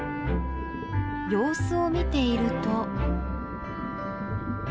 様子を見ていると。